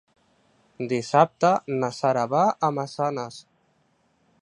Dissabte na Sara va a Massanes.